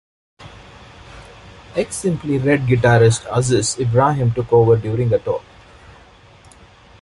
Ex-Simply Red guitarist Aziz Ibrahim took over during the tour.